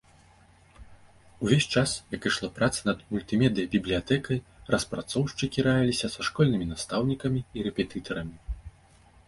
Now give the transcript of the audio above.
Увесь час, як ішла праца над мультымедыя-бібліятэкай, распрацоўшчыкі раіліся са школьнымі настаўнікамі і рэпетытарамі.